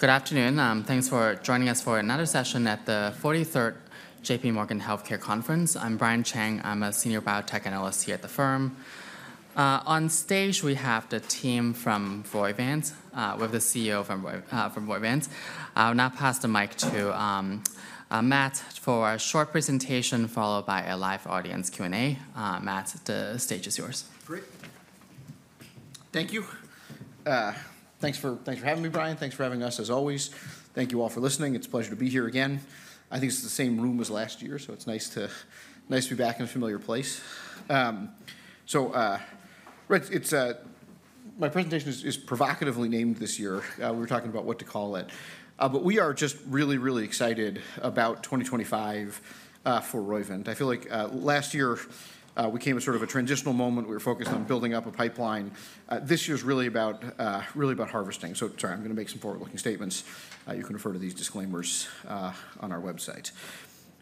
Good afternoon. Thanks for joining us for another session at the 43rd J.P. Morgan Healthcare Conference. I'm Brian Cheng. I'm a senior biotech analyst here at the firm. On stage, we have the team from Roivant. We have the CEO from Roivant. I'll now pass the mic to Matt for a short presentation, followed by a live audience Q&A. Matt, the stage is yours. Great. Thank you. Thanks for having me, Brian. Thanks for having us, as always. Thank you all for listening. It's a pleasure to be here again. I think it's the same room as last year, so it's nice to be back in a familiar place. So my presentation is provocatively named this year. We were talking about what to call it. But we are just really, really excited about 2025 for Roivant. I feel like last year we came at sort of a transitional moment. We were focused on building up a pipeline. This year is really about harvesting. So sorry, I'm going to make some forward-looking statements. You can refer to these disclaimers on our website.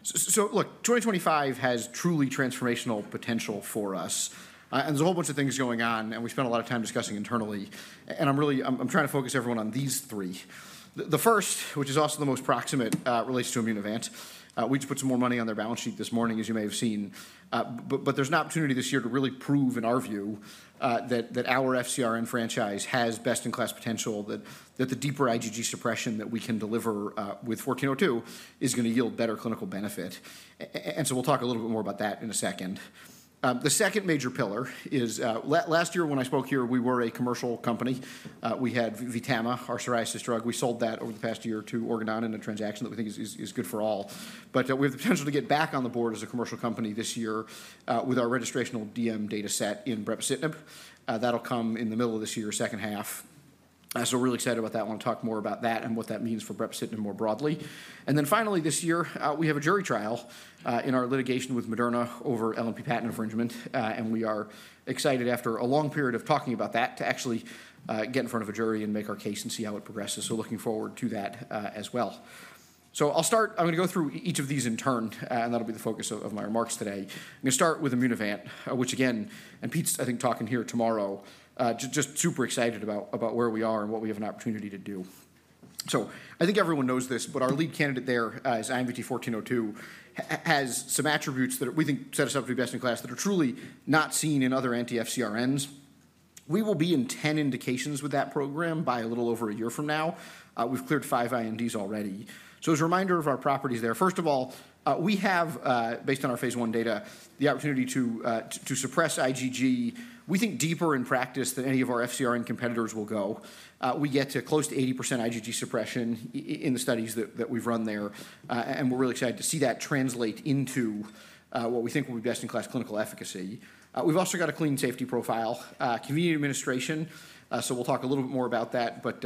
So look, 2025 has truly transformational potential for us. And there's a whole bunch of things going on, and we spent a lot of time discussing internally. I'm trying to focus everyone on these three. The first, which is also the most proximate, relates to Immunovant. We just put some more money on their balance sheet this morning, as you may have seen. But there's an opportunity this year to really prove, in our view, that our FcRn franchise has best-in-class potential, that the deeper IgG suppression that we can deliver with 1402 is going to yield better clinical benefit. And so we'll talk a little bit more about that in a second. The second major pillar is, last year when I spoke here, we were a commercial company. We had Vtama, our psoriasis drug. We sold that over the past year to Organon in a transaction that we think is good for all. But we have the potential to get back on the board as a commercial company this year with our registrational DM data set in brepocitinib. That'll come in the middle of this year, second half. So we're really excited about that. I want to talk more about that and what that means for brepocitinib more broadly. And then finally this year, we have a jury trial in our litigation with Moderna over LNP patent infringement. And we are excited, after a long period of talking about that, to actually get in front of a jury and make our case and see how it progresses. So looking forward to that as well. So I'll start. I'm going to go through each of these in turn, and that'll be the focus of my remarks today. I'm going to start with Immunovant, which, again, and Pete's, I think, talking here tomorrow. Just super excited about where we are and what we have an opportunity to do. So I think everyone knows this, but our lead candidate there, IMVT-1402, has some attributes that we think set us up to be best in class that are truly not seen in other anti-FcRns. We will be in 10 indications with that program by a little over a year from now. We've cleared five INDs already. So as a reminder of our properties there, first of all, we have, based on our phase I data, the opportunity to suppress IgG. We think deeper in practice than any of our FcRn competitors will go. We get to close to 80% IgG suppression in the studies that we've run there. And we're really excited to see that translate into what we think will be best-in-class clinical efficacy. We've also got a clean safety profile, convenient administration. So we'll talk a little bit more about that. But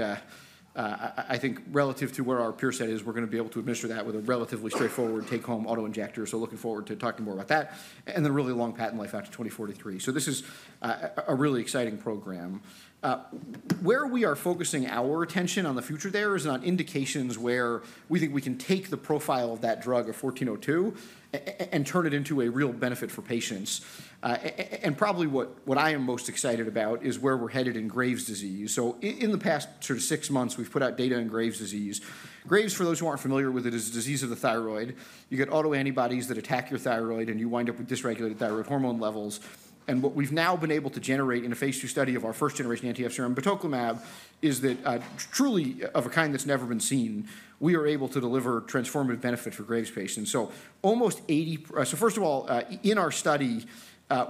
I think relative to where our peer set is, we're going to be able to administer that with a relatively straightforward take-home auto-injector. So looking forward to talking more about that. And then really long patent life, up to 2043. So this is a really exciting program. Where we are focusing our attention on the future there is on indications where we think we can take the profile of that drug, the 1402, and turn it into a real benefit for patients. And probably what I am most excited about is where we're headed in Graves' disease. So in the past sort of six months, we've put out data in Graves' disease. Graves, for those who aren't familiar with it, is a disease of the thyroid. You get autoantibodies that attack your thyroid, and you wind up with dysregulated thyroid hormone levels. And what we've now been able to generate in a phase II study of our first-generation anti-FcRn, batoclimab, is that truly one of a kind that's never been seen. We are able to deliver transformative benefit for Graves' patients. So almost 80%. So first of all, in our study,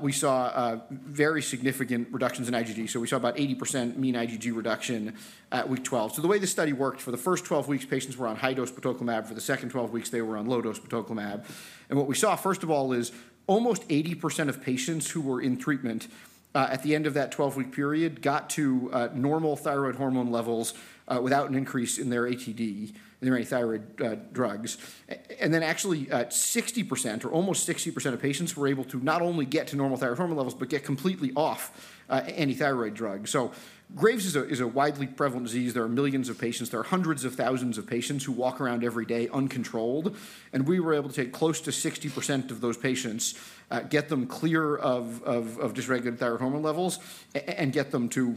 we saw very significant reductions in IgG. So we saw about 80% mean IgG reduction at week 12. So the way this study worked, for the first 12 weeks, patients were on high-dose batoclimab. For the second 12 weeks, they were on low-dose batoclimab. And what we saw, first of all, is almost 80% of patients who were in treatment at the end of that 12-week period got to normal thyroid hormone levels without an increase in their ATD, in their anti-thyroid drugs. Then actually 60%, or almost 60% of patients were able to not only get to normal thyroid hormone levels, but get completely off anti-thyroid drugs. Graves is a widely prevalent disease. There are millions of patients. There are hundreds of thousands of patients who walk around every day uncontrolled. We were able to take close to 60% of those patients, get them clear of dysregulated thyroid hormone levels, and get them to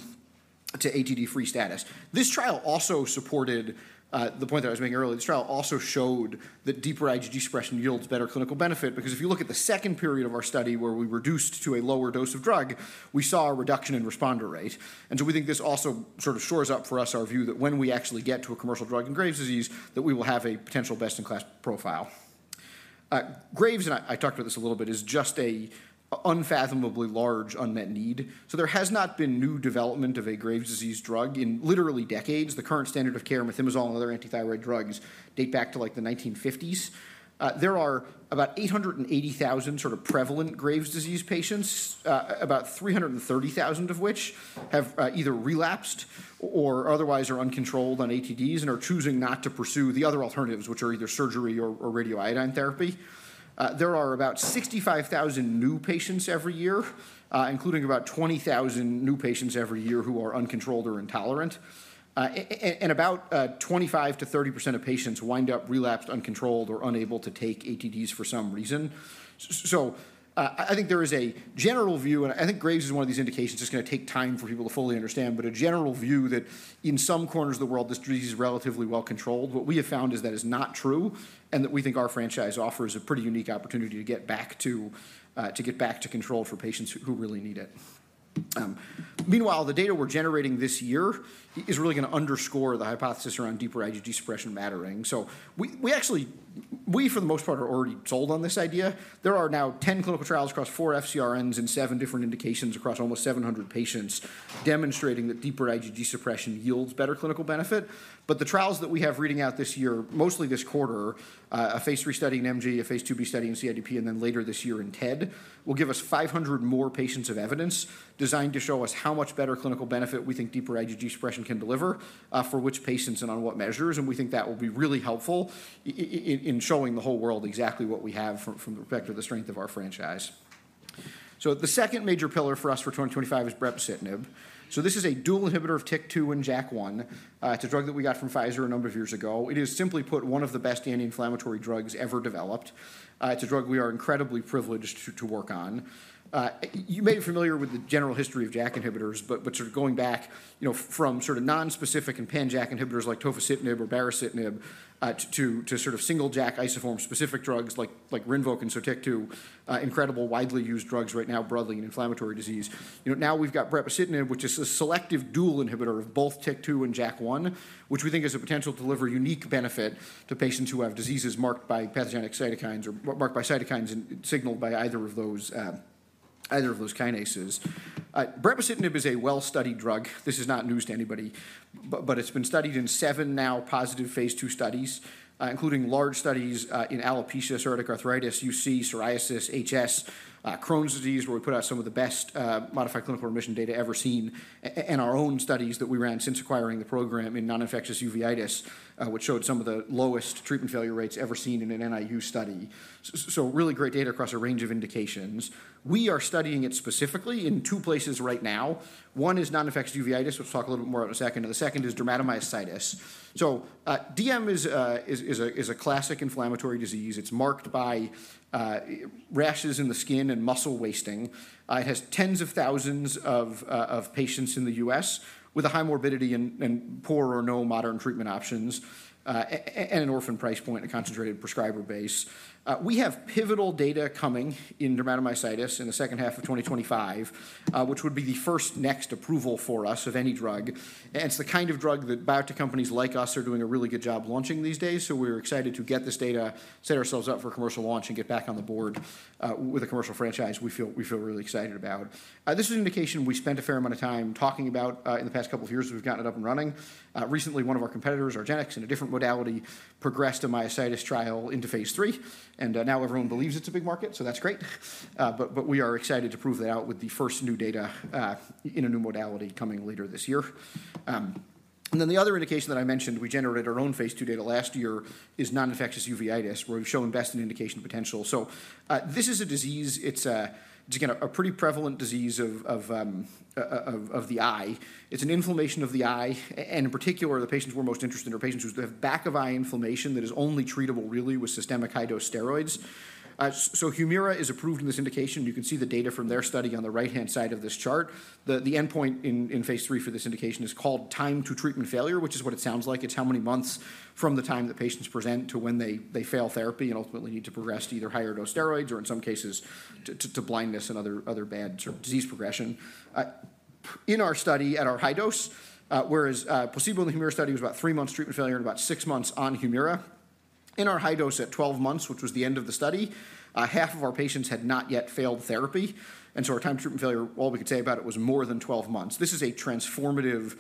ATD-free status. This trial also supported the point that I was making earlier. This trial also showed that deeper IgG suppression yields better clinical benefit. Because if you look at the second period of our study where we reduced to a lower dose of drug, we saw a reduction in responder rate. We think this also sort of shores up for us our view that when we actually get to a commercial drug in Graves' disease, that we will have a potential best-in-class profile. Graves, and I talked about this a little bit, is just an unfathomably large unmet need. There has not been new development of a Graves' disease drug in literally decades. The current standard of care, methimazole and other anti-thyroid drugs, date back to like the 1950s. There are about 880,000 sort of prevalent Graves' disease patients, about 330,000 of which have either relapsed or otherwise are uncontrolled on ATDs and are choosing not to pursue the other alternatives, which are either surgery or radioiodine therapy. There are about 65,000 new patients every year, including about 20,000 new patients every year who are uncontrolled or intolerant. About 25% to 30% of patients wind up relapsed, uncontrolled, or unable to take ATDs for some reason. I think there is a general view, and I think Graves is one of these indications. It's going to take time for people to fully understand, but a general view that in some corners of the world, this disease is relatively well controlled. What we have found is that is not true, and that we think our franchise offers a pretty unique opportunity to get back to control for patients who really need it. Meanwhile, the data we're generating this year is really going to underscore the hypothesis around deeper IgG suppression mattering. We actually, we for the most part, are already sold on this idea. There are now 10 clinical trials across four FcRns and seven different indications across almost 700 patients demonstrating that deeper IgG suppression yields better clinical benefit. But the trials that we have reading out this year, mostly this quarter, a phase III study in MG, a phase II study in CIDP, and then later this year in TED will give us 500 more patients of evidence designed to show us how much better clinical benefit we think deeper IgG suppression can deliver for which patients and on what measures. And we think that will be really helpful in showing the whole world exactly what we have from the perspective of the strength of our franchise. So the second major pillar for us for 2025 is brepocitinib. So this is a dual inhibitor of TYK2 and JAK1. It is a drug that we got from Pfizer a number of years ago. It is, simply put, one of the best anti-inflammatory drugs ever developed. It's a drug we are incredibly privileged to work on. You may be familiar with the general history of JAK inhibitors, but sort of going back from sort of nonspecific and pan-JAK inhibitors like tofacitinib or baricitinib to sort of single-JAK isoform-specific drugs like Rinvoq and Sotyktu, incredible widely used drugs right now broadly in inflammatory disease. Now we've got brepocitinib, which is a selective dual inhibitor of both TYK2 and JAK1, which we think has the potential to deliver unique benefit to patients who have diseases marked by pathogenic cytokines or marked by cytokines signaled by either of those kinases. Brepcitinib is a well-studied drug. This is not news to anybody, but it's been studied in seven now positive phase II studies, including large studies in alopecia, psoriatic arthritis, UC, psoriasis, HS, Crohn's disease, where we put out some of the best modified clinical remission data ever seen, and our own studies that we ran since acquiring the program in non-infectious uveitis, which showed some of the lowest treatment failure rates ever seen in an NIU study. So really great data across a range of indications. We are studying it specifically in two places right now. One is non-infectious uveitis, which I'll talk a little bit more about in a second. And the second is dermatomyositis. So DM is a classic inflammatory disease. It's marked by rashes in the skin and muscle wasting. It has tens of thousands of patients in the U.S. with a high morbidity and poor or no modern treatment options and an orphan price point and a concentrated prescriber base. We have pivotal data coming in dermatomyositis in the second half of 2025, which would be the first next approval for us of any drug. And it's the kind of drug that biotech companies like us are doing a really good job launching these days. So we're excited to get this data, set ourselves up for commercial launch, and get back on the board with a commercial franchise we feel really excited about. This is an indication we spent a fair amount of time talking about in the past couple of years as we've gotten it up and running. Recently, one of our competitors, Argenx, in a different modality progressed a myositis trial into phase III. Now everyone believes it's a big market, so that's great. But we are excited to prove that out with the first new data in a new modality coming later this year. Then the other indication that I mentioned, we generated our own phase II data last year, is non-infectious uveitis, where we've shown best in indication potential. This is a disease. It's, again, a pretty prevalent disease of the eye. It's an inflammation of the eye. In particular, the patients we're most interested in are patients who have back of eye inflammation that is only treatable really with systemic high-dose steroids. Humira is approved in this indication. You can see the data from their study on the right-hand side of this chart. The endpoint in phase III for this indication is called time to treatment failure, which is what it sounds like. It's how many months from the time that patients present to when they fail therapy and ultimately need to progress to either higher-dose steroids or, in some cases, to blindness and other bad disease progression. In our study at our high dose, whereas placebo in the Humira study was about three months treatment failure and about six months on Humira. In our high dose at 12 months, which was the end of the study, half of our patients had not yet failed therapy, and so our time to treatment failure, all we could say about it was more than 12 months. This is a transformative,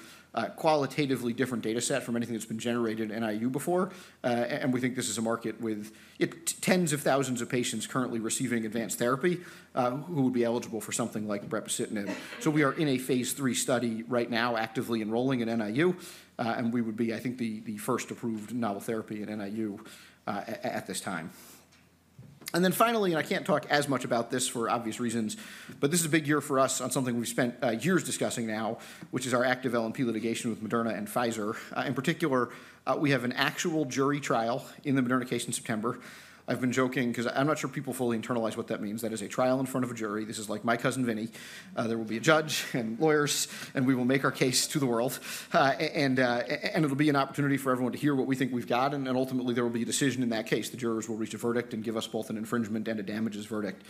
qualitatively different data set from anything that's been generated at NIU before, and we think this is a market with tens of thousands of patients currently receiving advanced therapy who would be eligible for something like brepcitinib. So we are in a phase III study right now, actively enrolling at NIU. And we would be, I think, the first approved novel therapy at NIU at this time. And then finally, and I can't talk as much about this for obvious reasons, but this is a big year for us on something we've spent years discussing now, which is our active LNP litigation with Moderna and Pfizer. In particular, we have an actual jury trial in the Moderna case in September. I've been joking because I'm not sure people fully internalize what that means. That is a trial in front of a jury. This is like My Cousin Vinny. There will be a judge and lawyers, and we will make our case to the world. And it'll be an opportunity for everyone to hear what we think we've got. Ultimately, there will be a decision in that case. The jurors will reach a verdict and give us both an infringement and a damages verdict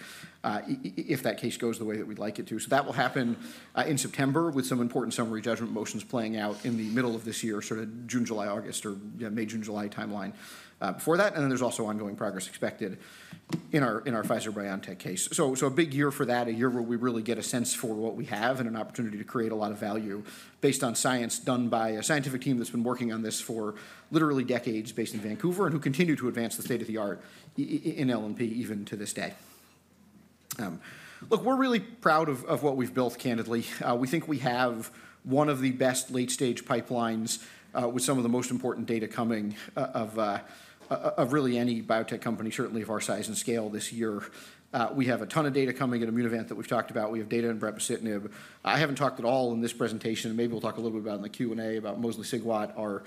if that case goes the way that we'd like it to. That will happen in September with some important summary judgment motions playing out in the middle of this year, sort of June, July, August, or May, June, July timeline before that. Then there's also ongoing progress expected in our Pfizer-BioNTech case. A big year for that, a year where we really get a sense for what we have and an opportunity to create a lot of value based on science done by a scientific team that's been working on this for literally decades based in Vancouver and who continue to advance the state of the art in LNP even to this day. Look, we're really proud of what we've built, candidly. We think we have one of the best late-stage pipelines with some of the most important data coming of really any biotech company, certainly of our size and scale this year. We have a ton of data coming at Immunovant that we've talked about. We have data in brepcitinib. I haven't talked at all in this presentation. Maybe we'll talk a little bit about in the Q&A about mosliciguat, our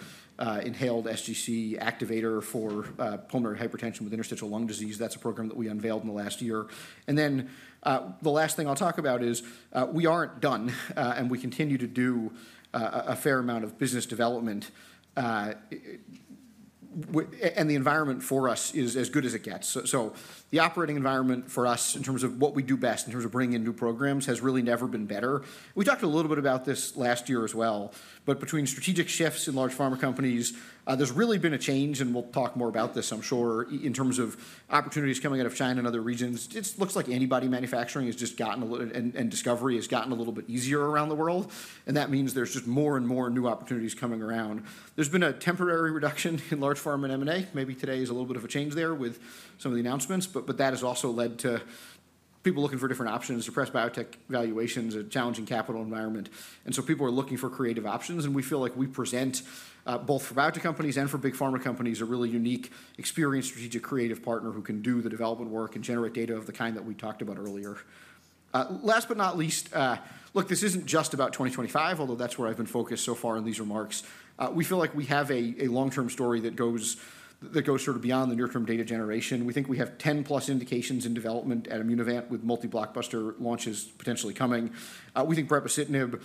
inhaled sGC activator for pulmonary hypertension with interstitial lung disease. That's a program that we unveiled in the last year. And then the last thing I'll talk about is we aren't done, and we continue to do a fair amount of business development. And the environment for us is as good as it gets. So the operating environment for us in terms of what we do best, in terms of bringing in new programs, has really never been better. We talked a little bit about this last year as well. But between strategic shifts in large pharma companies, there's really been a change, and we'll talk more about this, I'm sure, in terms of opportunities coming out of China and other regions. It looks like antibody manufacturing has just gotten a little bit and discovery has gotten a little bit easier around the world. And that means there's just more and more new opportunities coming around. There's been a temporary reduction in large pharma and M&A. Maybe today is a little bit of a change there with some of the announcements. But that has also led to people looking for different options, depressed biotech valuations, a challenging capital environment. And so people are looking for creative options. And we feel like we present, both for biotech companies and for big pharma companies, a really unique, experienced, strategic, creative partner who can do the development work and generate data of the kind that we talked about earlier. Last but not least, look, this isn't just about 2025, although that's where I've been focused so far in these remarks. We feel like we have a long-term story that goes sort of beyond the near-term data generation. We think we have 10+ indications in development at Immunovant with multi-blockbuster launches potentially coming. We think brepcitinib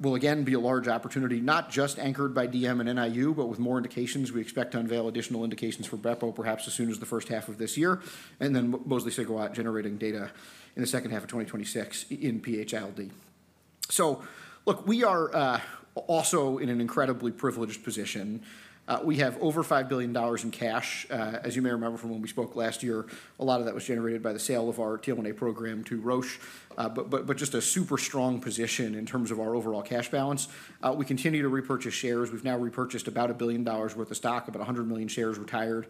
will again be a large opportunity, not just anchored by DM and NIU, but with more indications. We expect to unveil additional indications for Brepo, perhaps as soon as the first half of this year, and then mosliciguat generating data in the second half of 2026 in PH-ILD. So look, we are also in an incredibly privileged position. We have over $5 billion in cash. As you may remember from when we spoke last year, a lot of that was generated by the sale of our TL1A program to Roche. But just a super strong position in terms of our overall cash balance. We continue to repurchase shares. We've now repurchased about $1 billion worth of stock, about 100 million shares retired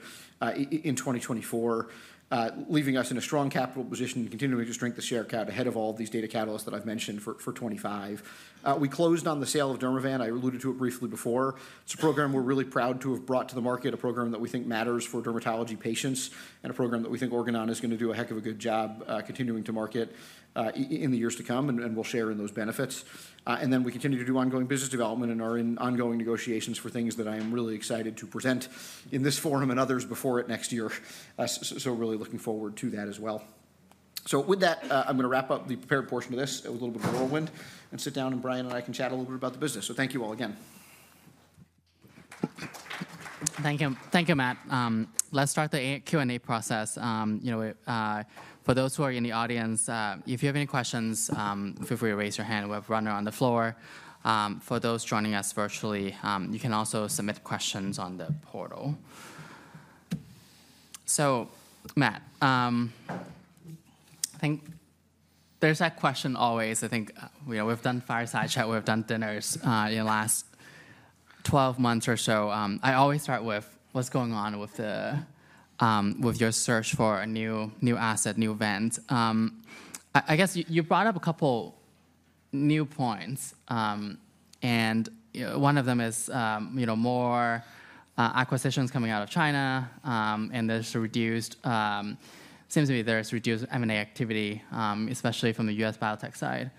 in 2024, leaving us in a strong capital position and continuing to strengthen the share count ahead of all of these data catalysts that I've mentioned for 2025. We closed on the sale of Dermavant. I alluded to it briefly before. It's a program we're really proud to have brought to the market, a program that we think matters for dermatology patients and a program that we think Organon is going to do a heck of a good job continuing to market in the years to come, and we'll share in those benefits. And then we continue to do ongoing business development and are in ongoing negotiations for things that I am really excited to present in this forum and others before it next year. So really looking forward to that as well. So with that, I'm going to wrap up the prepared portion of this with a little bit of whirlwind and sit down, and Brian and I can chat a little bit about the business. So thank you all again. Thank you, Matt. Let's start the Q&A process. For those who are in the audience, if you have any questions, feel free to raise your hand. We have a runner on the floor. For those joining us virtually, you can also submit questions on the portal. So Matt, I think there's that question always. I think we've done fireside chat. We've done dinners in the last 12 months or so. I always start with what's going on with your search for a new asset, New Vant. I guess you brought up a couple new points. And one of them is more acquisitions coming out of China, and there's reduced M&A activity, especially from the U.S. biotech side.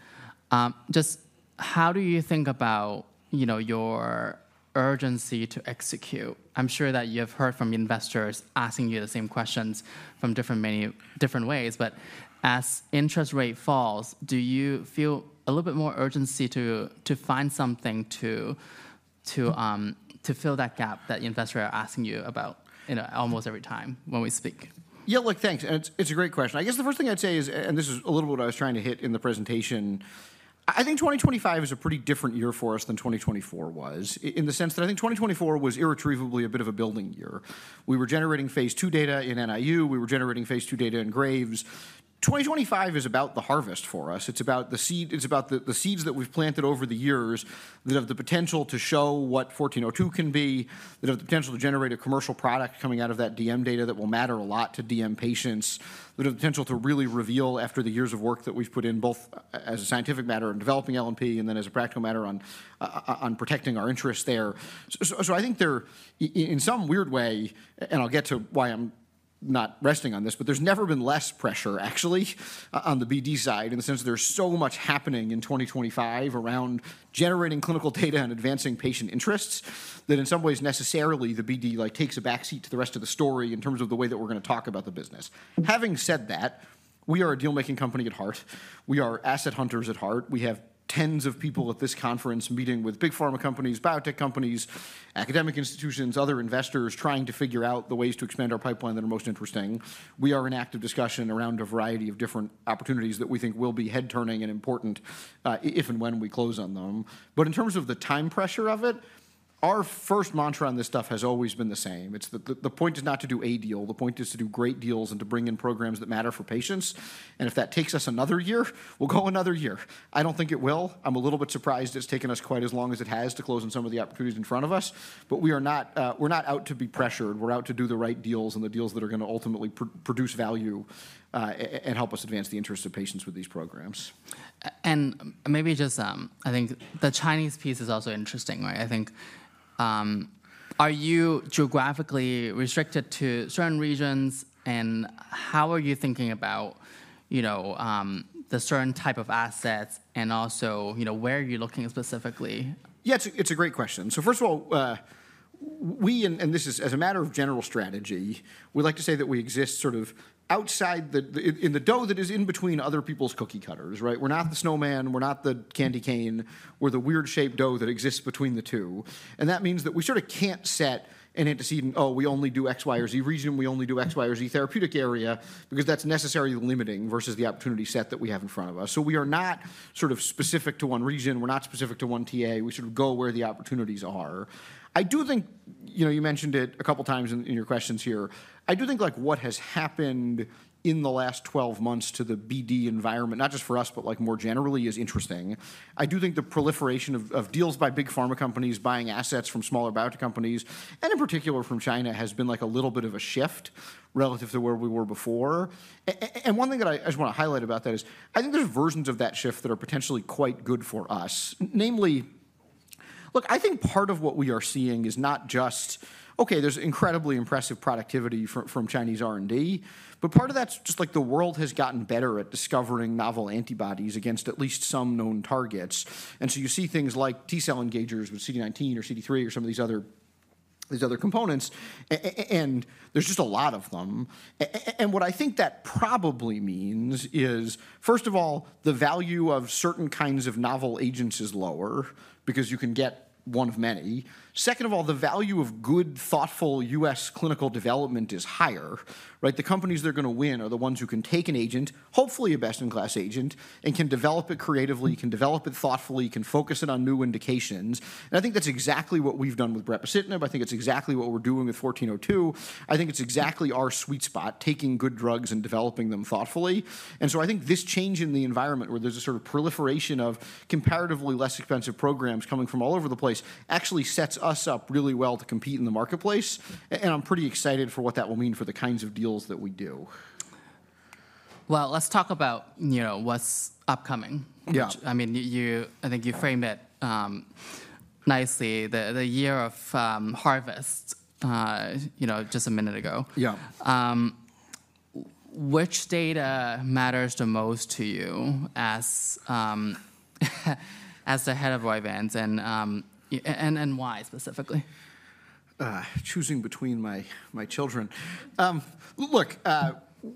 Just how do you think about your urgency to execute? I'm sure that you have heard from investors asking you the same questions in different ways. But as interest rate falls, do you feel a little bit more urgency to find something to fill that gap that investors are asking you about almost every time when we speak? Yeah, look, thanks. It's a great question. I guess the first thing I'd say is, and this is a little bit what I was trying to hit in the presentation, I think 2025 is a pretty different year for us than 2024 was in the sense that I think 2024 was irretrievably a bit of a building year. We were generating phase II data in NIU. We were generating phase II data in Graves. 2025 is about the harvest for us. It's about the seeds that we've planted over the years that have the potential to show what 1402 can be, that have the potential to generate a commercial product coming out of that DM data that will matter a lot to DM patients, that have the potential to really reveal after the years of work that we've put in both as a scientific matter in developing LNP and then as a practical matter on protecting our interests there. I think there in some weird way, and I'll get to why I'm not resting on this, but there's never been less pressure, actually, on the BD side in the sense that there's so much happening in 2025 around generating clinical data and advancing patient interests that in some ways necessarily the BD takes a backseat to the rest of the story in terms of the way that we're going to talk about the business. Having said that, we are a deal making company at heart. We are asset hunters at heart. We have tens of people at this conference meeting with big pharma companies, biotech companies, academic institutions, other investors trying to figure out the ways to expand our pipeline that are most interesting. We are in active discussion around a variety of different opportunities that we think will be head-turning and important if and when we close on them. But in terms of the time pressure of it, our first mantra on this stuff has always been the same. It's that the point is not to do a deal. The point is to do great deals and to bring in programs that matter for patients. And if that takes us another year, we'll go another year. I don't think it will. I'm a little bit surprised it's taken us quite as long as it has to close on some of the opportunities in front of us. But we're not out to be pressured. We're out to do the right deals and the deals that are going to ultimately produce value and help us advance the interests of patients with these programs. And maybe just I think the Chinese piece is also interesting, right? I think are you geographically restricted to certain regions? And how are you thinking about the certain type of assets and also where are you looking specifically? Yeah, it's a great question. So first of all, we, and this is as a matter of general strategy, we like to say that we exist sort of outside the, in the dough that is in between other people's cookie cutters, right? We're not the snowman. We're not the candy cane. We're the weird-shaped dough that exists between the two. And that means that we sort of can't set a precedent, oh, we only do X, Y, or Z region. We only do X, Y, or Z therapeutic area because that's necessarily limiting versus the opportunity set that we have in front of us. We are not sort of specific to one region. We're not specific to one TA. We sort of go where the opportunities are. I do think you mentioned it a couple of times in your questions here. I do think what has happened in the last 12 months to the BD environment, not just for us, but more generally is interesting. I do think the proliferation of deals by big pharma companies buying assets from smaller biotech companies, and in particular from China, has been a little bit of a shift relative to where we were before. And one thing that I just want to highlight about that is I think there's versions of that shift that are potentially quite good for us. Namely, look, I think part of what we are seeing is not just, okay, there's incredibly impressive productivity from Chinese R&D, but part of that's just like the world has gotten better at discovering novel antibodies against at least some known targets. And so you see things like T-cell engagers with CD19 or CD3 or some of these other components. There's just a lot of them. What I think that probably means is, first of all, the value of certain kinds of novel agents is lower because you can get one of many. Second of all, the value of good, thoughtful U.S. clinical development is higher, right? The companies that are going to win are the ones who can take an agent, hopefully a best-in-class agent, and can develop it creatively, can develop it thoughtfully, can focus it on new indications. I think that's exactly what we've done with brepocitinib. I think it's exactly what we're doing with 1402. I think it's exactly our sweet spot, taking good drugs and developing them thoughtfully. And so I think this change in the environment where there's a sort of proliferation of comparatively less expensive programs coming from all over the place actually sets us up really well to compete in the marketplace. And I'm pretty excited for what that will mean for the kinds of deals that we do. Let's talk about what's upcoming. I mean, I think you framed it nicely, the year of harvest just a minute ago. Which data matters the most to you as the head of Roivant and then why specifically? Choosing between my children. Look,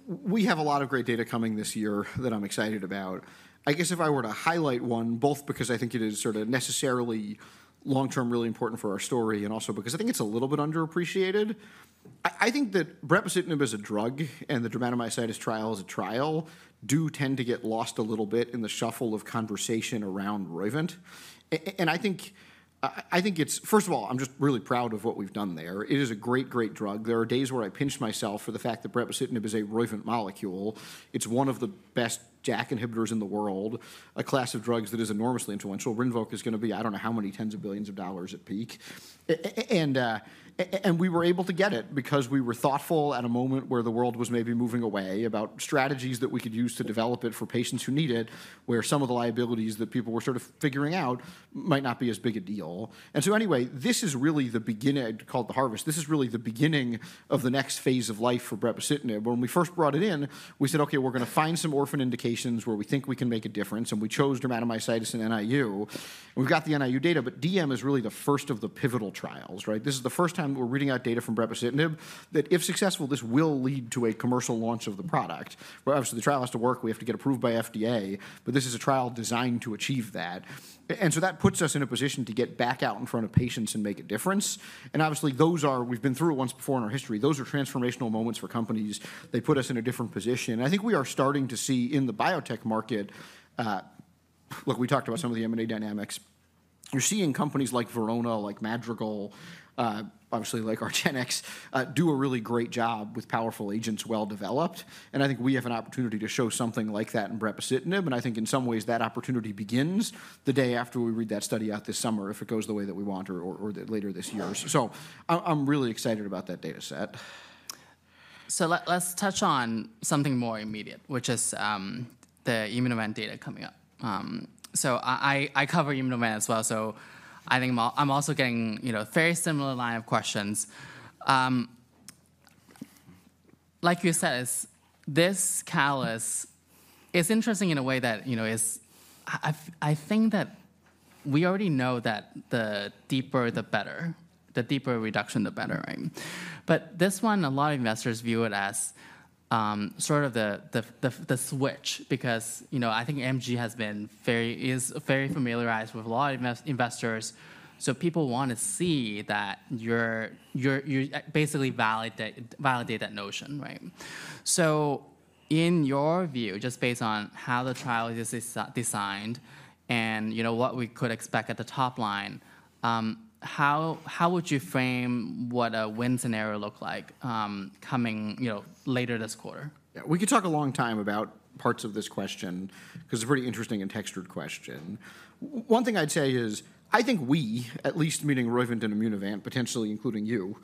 we have a lot of great data coming this year that I'm excited about. I guess if I were to highlight one, both because I think it is sort of necessarily long-term really important for our story and also because I think it's a little bit underappreciated. I think that brepocitinib as a drug and the dermatomyositis trial as a trial do tend to get lost a little bit in the shuffle of conversation around Roivant. And I think it's, first of all, I'm just really proud of what we've done there. It is a great, great drug. There are days where I pinch myself for the fact that brepocitinib is a Roivant molecule. It's one of the best JAK inhibitors in the world, a class of drugs that is enormously influential. Rinvoq is going to be, I don't know how many tens of billions of dollars at peak. And we were able to get it because we were thoughtful at a moment where the world was maybe moving away about strategies that we could use to develop it for patients who need it, where some of the liabilities that people were sort of figuring out might not be as big a deal. And so anyway, this is really the beginning called the harvest. This is really the beginning of the next phase of life for brepocitinib. When we first brought it in, we said, okay, we're going to find some orphan indications where we think we can make a difference. And we chose dermatomyositis in NIU. We've got the NIU data, but DM is really the first of the pivotal trials, right? This is the first time that we're reading out data from brepocitinib that if successful, this will lead to a commercial launch of the product, but obviously, the trial has to work. We have to get approved by FDA, but this is a trial designed to achieve that, and so that puts us in a position to get back out in front of patients and make a difference, and obviously, those are, we've been through it once before in our history. Those are transformational moments for companies. They put us in a different position, and I think we are starting to see in the biotech market, look, we talked about some of the M&A dynamics. You're seeing companies like Verona, like Madrigal, obviously like Argenx do a really great job with powerful agents well developed, and I think we have an opportunity to show something like that in brepocitinib. And I think in some ways that opportunity begins the day after we read that study out this summer if it goes the way that we want or later this year. So I'm really excited about that data set. Let's touch on something more immediate, which is the Immunovant data coming up. I cover Immunovant as well. I think I'm also getting a very similar line of questions. Like you said, this catalyst is interesting in a way that is I think that we already know that the deeper, the better. The deeper reduction, the better, right? But this one, a lot of investors view it as sort of the switch because I think MG has been very is very familiarized with a lot of investors. People want to see that you basically validate that notion, right? In your view, just based on how the trial is designed and what we could expect at the top line, how would you frame what a win scenario looks like coming later this quarter? Yeah, we could talk a long time about parts of this question because it's a pretty interesting and textured question. One thing I'd say is I think we, at least at Roivant and Immunovant, potentially including you,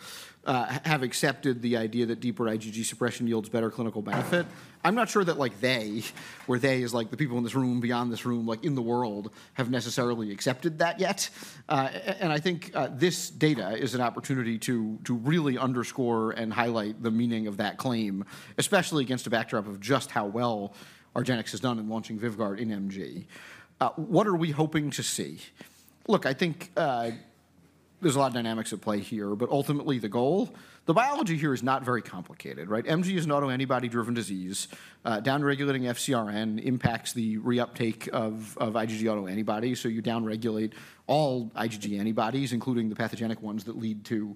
have accepted the idea that deeper IgG suppression yields better clinical benefit. I'm not sure that like they where they is like the people in this room, beyond this room, like in the world have necessarily accepted that yet. And I think this data is an opportunity to really underscore and highlight the meaning of that claim, especially against a backdrop of just how well Argenx has done in launching Vyvgart in MG. What are we hoping to see? Look, I think there's a lot of dynamics at play here. Ultimately, the goal, the biology here is not very complicated, right? MG is an autoantibody-driven disease. Downregulating FcRn impacts the re-uptake of IgG autoantibodies. So you downregulate all IgG antibodies, including the pathogenic ones that lead to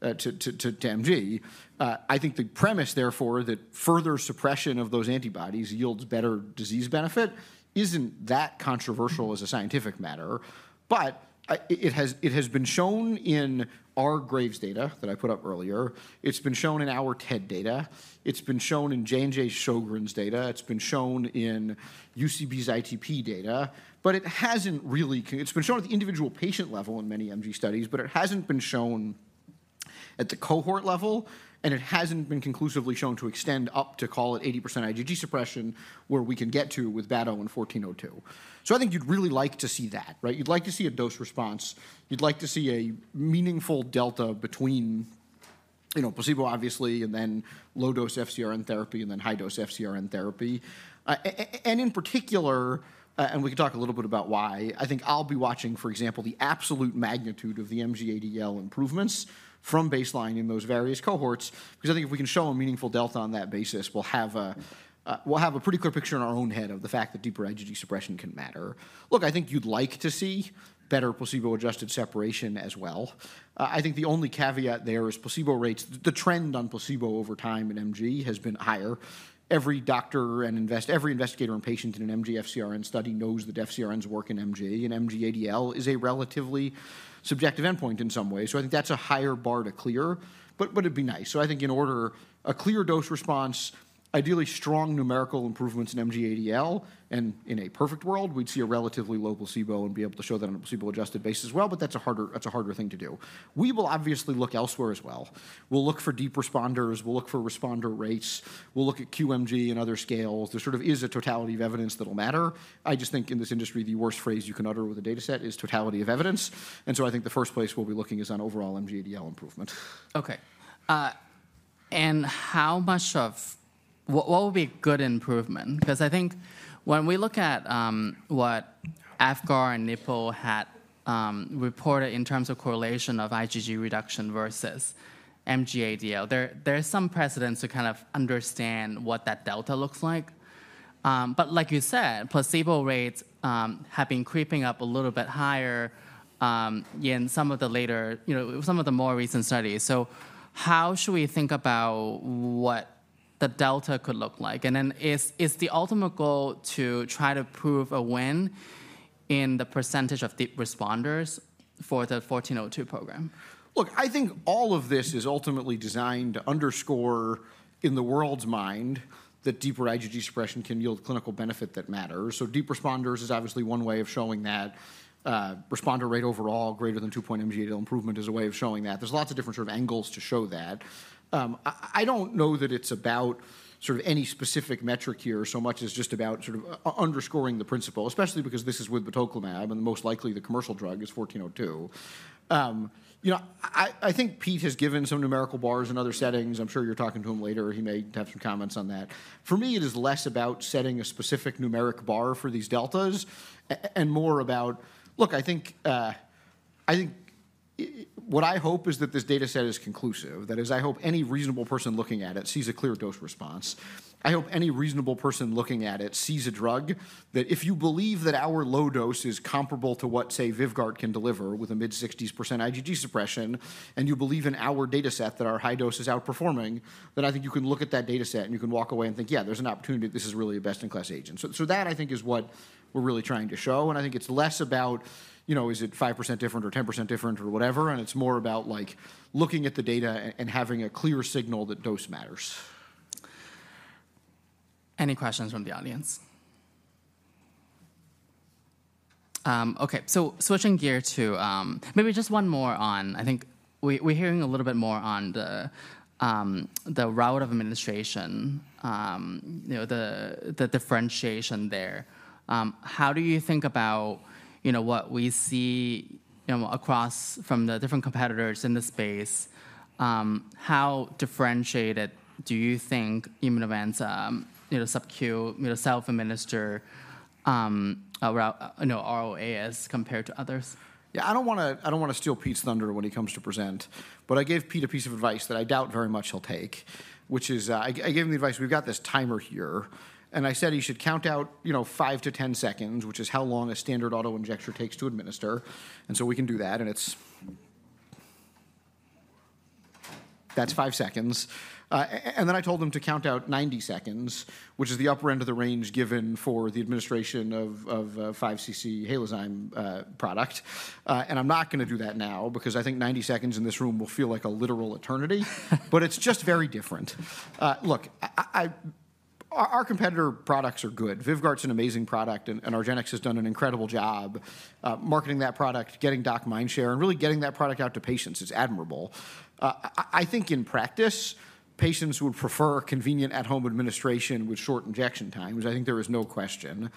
MG. I think the premise, therefore, that further suppression of those antibodies yields better disease benefit isn't that controversial as a scientific matter. But it has been shown in our Graves data that I put up earlier. It's been shown in our TED data. It's been shown in J&J Sjögren's data. It's been shown in UCB's ITP data. But it hasn't really. It's been shown at the individual patient level in many MG studies, but it hasn't been shown at the cohort level. And it hasn't been conclusively shown to extend up to call it 80% IgG suppression where we can get to with batoclimab and IMVT-1402. So I think you'd really like to see that, right? You'd like to see a dose response. You'd like to see a meaningful delta between placebo, obviously, and then low-dose FcRn therapy and then high-dose FcRn therapy. In particular, and we can talk a little bit about why, I think I'll be watching, for example, the absolute magnitude of the MG-ADL improvements from baseline in those various cohorts because I think if we can show a meaningful delta on that basis, we'll have a pretty clear picture in our own head of the fact that deeper IgG suppression can matter. Look, I think you'd like to see better placebo-adjusted separation as well. I think the only caveat there is placebo rates the trend on placebo over time in MG has been higher. Every doctor and every investigator and patient in an MG FcRn study knows that FcRns work in MG. MG-ADL is a relatively subjective endpoint in some ways. So I think that's a higher bar to clear. But it'd be nice. So I think in order to see a clear dose response, ideally strong numerical improvements in MG-ADL. And in a perfect world, we'd see a relatively low placebo and be able to show that on a placebo-adjusted basis as well. But that's a harder thing to do. We will obviously look elsewhere as well. We'll look for deep responders. We'll look for responder rates. We'll look at QMG and other scales. There sort of is a totality of evidence that'll matter. I just think in this industry, the worst phrase you can utter with a data set is totality of evidence. And so I think the first place we'll be looking is overall MG-ADL improvement. Okay. And how much of what would be a good improvement? Because I think when we look at what Vyvgart and Nipocalimab had reported in terms of correlation of IgG reduction versus MG-ADL, there's some precedent to kind of understand what that delta looks like. But like you said, placebo rates have been creeping up a little bit higher in some of the later, some of the more recent studies. So how should we think about what the delta could look like? And then is the ultimate goal to try to prove a win in the percentage of deep responders for the IMVT-1402 program? Look, I think all of this is ultimately designed to underscore in the world's mind that deeper IgG suppression can yield clinical benefit that matters. So deep responders is obviously one way of showing that. Responder rate overall greater than 2. MG-ADL improvement is a way of showing that. There's lots of different sort of angles to show that. I don't know that it's about sort of any specific metric here so much as just about sort of underscoring the principle, especially because this is with batoclimab and most likely the commercial drug is 1402. I think Pete has given some numerical bars in other settings. I'm sure you're talking to him later. He may have some comments on that. For me, it is less about setting a specific numeric bar for these deltas and more about, look, I think what I hope is that this data set is conclusive, that as I hope any reasonable person looking at it sees a clear dose response. I hope any reasonable person looking at it sees a drug that if you believe that our low dose is comparable to what, say, Vyvgart can deliver with a mid-60s percentage IgG suppression, and you believe in our data set that our high dose is outperforming, then I think you can look at that data set and you can walk away and think, yeah, there's an opportunity. This is really a best-in-class agent. So that, I think, is what we're really trying to show. And I think it's less about, is it 5% different or 10% different or whatever. It's more about looking at the data and having a clear signal that dose matters. Any questions from the audience? Okay. So switching gear to maybe just one more on I think we're hearing a little bit more on the route of administration, the differentiation there. How do you think about what we see across from the different competitors in the space? How differentiated do you think Immunovant's SubQ self-administer ROA is compared to others? Yeah, I don't want to steal Pete's thunder when he comes to present. But I gave Pete a piece of advice that I doubt very much he'll take, which is I gave him the advice, we've got this timer here. And I said he should count out five to 10 seconds, which is how long a standard auto injector takes to administer. And so we can do that. And that's five seconds. And then I told him to count out 90 seconds, which is the upper end of the range given for the administration of 5 cc Halozyme product. And I'm not going to do that now because I think 90 seconds in this room will feel like a literal eternity. But it's just very different. Look, our competitor products are good. Vyvgart's an amazing product. Argenyx has done an incredible job marketing that product, getting doc mindshare, and really getting that product out to patients is admirable. I think in practice, patients would prefer convenient at-home administration with short injection time, which I think there is no question.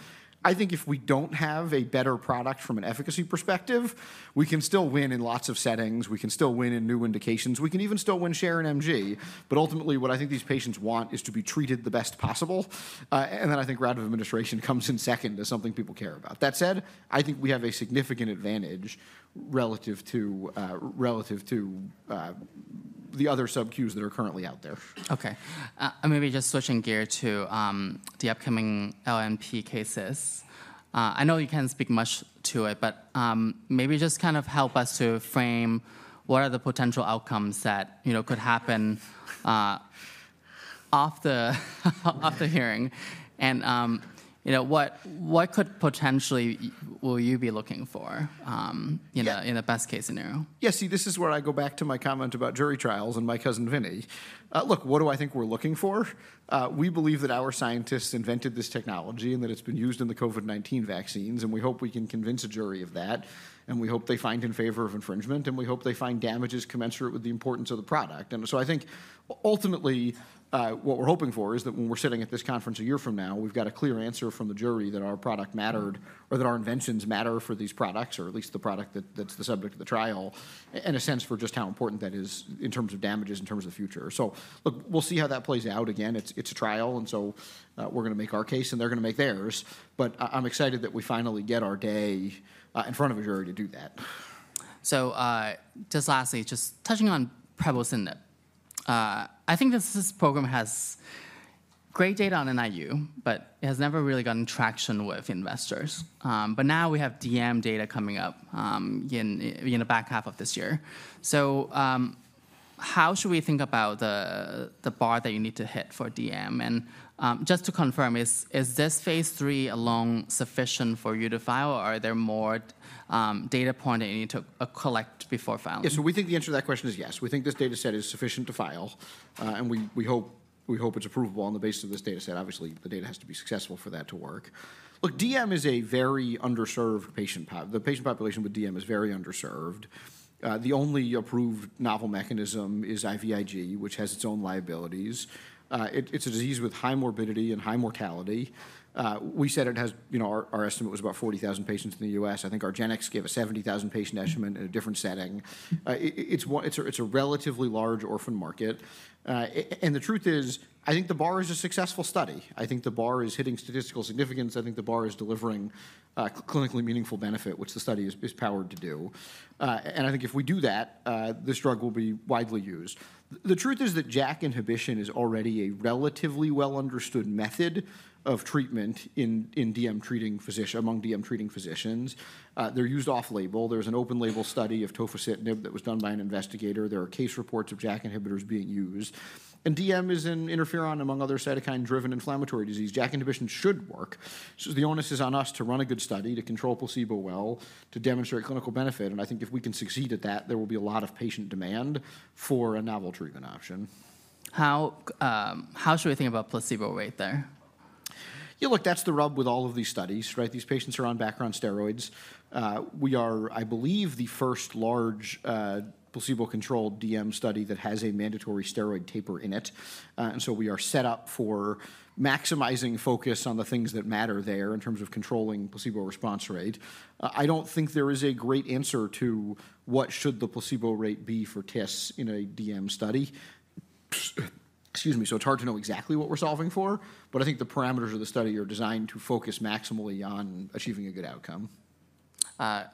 I think if we don't have a better product from an efficacy perspective, we can still win in lots of settings. We can still win in new indications. We can even still win share in MG. But ultimately, what I think these patients want is to be treated the best possible. And then I think route of administration comes in second as something people care about. That said, I think we have a significant advantage relative to the other SubQs that are currently out there. Okay. And maybe just switching gears to the upcoming LNP cases. I know you can't speak much to it, but maybe just kind of help us to frame what are the potential outcomes that could happen after the hearing. And what could potentially will you be looking for in the best case scenario? Yeah, see, this is where I go back to my comment about jury trials and My Cousin Vinny. Look, what do I think we're looking for? We believe that our scientists invented this technology and that it's been used in the COVID-19 vaccines. And we hope we can convince a jury of that. And we hope they find in favor of infringement. And we hope they find damages commensurate with the importance of the product. And so I think ultimately, what we're hoping for is that when we're sitting at this conference a year from now, we've got a clear answer from the jury that our product mattered or that our inventions matter for these products or at least the product that's the subject of the trial and a sense for just how important that is in terms of damages in terms of the future. So look, we'll see how that plays out. Again, it's a trial. And so we're going to make our case. And they're going to make theirs. But I'm excited that we finally get our day in front of a jury to do that. Just lastly, just touching on Priovant and I think this program has great data on NIU, but it has never really gotten traction with investors, but now we have DM data coming up in the back half of this year. How should we think about the bar that you need to hit for DM? And just to confirm, is this phase III alone sufficient for you to file? Or are there more data points that you need to collect before filing? Yes, we think the answer to that question is yes. We think this data set is sufficient to file, and we hope it's approvable on the basis of this data set. Obviously, the data has to be successful for that to work. Look, DM is a very underserved patient population. The patient population with DM is very underserved. The only approved novel mechanism is IVIG, which has its own liabilities. It's a disease with high morbidity and high mortality. We said it has our estimate was about 40,000 patients in the U.S. I think Argenyx gave a 70,000 patient estimate in a different setting. It's a relatively large orphan market, and the truth is, I think the bar is a successful study. I think the bar is hitting statistical significance. I think the bar is delivering clinically meaningful benefit, which the study is powered to do. And I think if we do that, this drug will be widely used. The truth is that JAK inhibition is already a relatively well-understood method of treatment among DM treating physicians. They're used off-label. There's an open-label study of tofacitinib that was done by an investigator. There are case reports of JAK inhibitors being used. And DM is an interferon, among other cytokine-driven, inflammatory disease. JAK inhibition should work. So the onus is on us to run a good study, to control placebo well, to demonstrate clinical benefit. And I think if we can succeed at that, there will be a lot of patient demand for a novel treatment option. How should we think about placebo rate there? Yeah, look, that's the rub with all of these studies, right? These patients are on background steroids. We are, I believe, the first large placebo-controlled DM study that has a mandatory steroid taper in it. And so we are set up for maximizing focus on the things that matter there in terms of controlling placebo response rate. I don't think there is a great answer to what should the placebo rate be for tests in a DM study. Excuse me. So it's hard to know exactly what we're solving for. But I think the parameters of the study are designed to focus maximally on achieving a good outcome.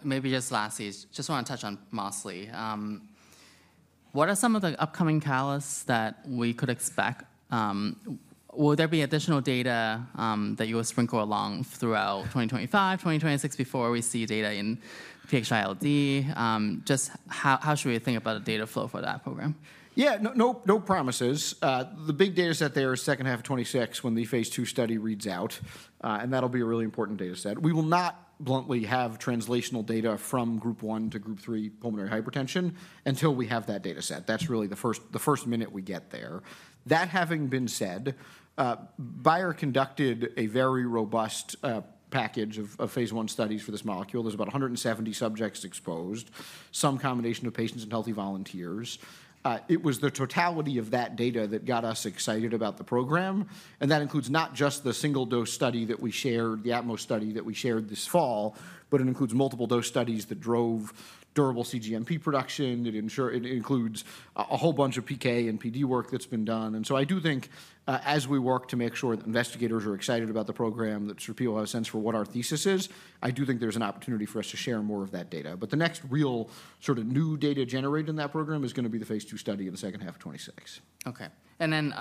Maybe just lastly, just want to touch on Mosliciguat. What are some of the upcoming catalysts that we could expect? Will there be additional data that you will sprinkle along throughout 2025, 2026 before we see data in PH-ILD? Just how should we think about the data flow for that program? Yeah, no promises. The big data set there is second half of 2026 when the phase II study reads out. And that'll be a really important data set. We will not bluntly have translational data from Group 1 to Group 3 pulmonary hypertension until we have that data set. That's really the first time we get there. That having been said, Bayer conducted a very robust package of phase I studies for this molecule. There's about 170 subjects exposed, some combination of patients and healthy volunteers. It was the totality of that data that got us excited about the program. And that includes not just the single dose study that we shared, the ATMOS study that we shared this fall, but it includes multiple dose studies that drove durable cGMP production. It includes a whole bunch of PK and PD work that's been done. And so I do think as we work to make sure that investigators are excited about the program, that people have a sense for what our thesis is, I do think there's an opportunity for us to share more of that data. But the next real sort of new data generated in that program is going to be the phase II study in the second half of 2026. Okay. And then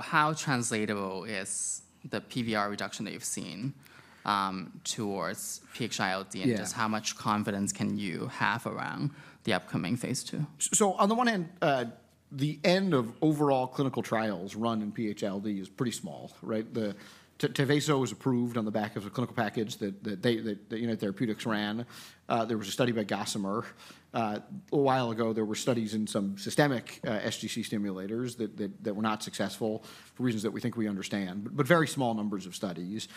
how translatable is the PVR reduction that you've seen towards PH-ILD? And just how much confidence can you have around the upcoming phase II? On the one hand, the end of overall clinical trials run in PH-ILD is pretty small, right? Tyvaso was approved on the back of a clinical package that United Therapeutics ran. There was a study by Gossamer. A while ago, there were studies in some systemic sGC stimulators that were not successful for reasons that we think we understand, but very small numbers of studies.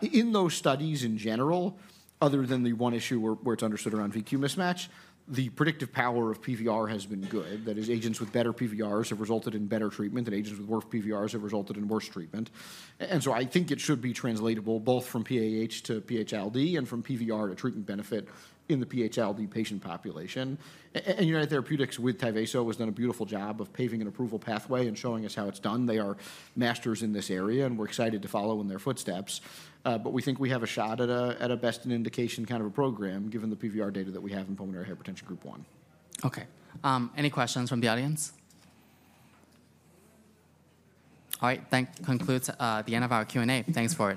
In those studies in general, other than the one issue where it's understood around V/Q mismatch, the predictive power of PVR has been good. That is, agents with better PVRs have resulted in better treatment. And agents with worse PVRs have resulted in worse treatment. And so I think it should be translatable both from PAH to PH-ILD and from PVR to treatment benefit in the PH-ILD patient population. United Therapeutics with Tyvaso has done a beautiful job of paving an approval pathway and showing us how it's done. They are masters in this area. We're excited to follow in their footsteps. We think we have a shot at a best-in-indication kind of a program given the PVR data that we have in pulmonary hypertension group one. Okay. Any questions from the audience? All right. That concludes the end of our Q&A. Thanks for.